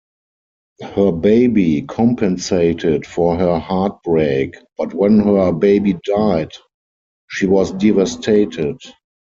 Her baby compensated for her heartbreak, but when her baby died, she was devastated.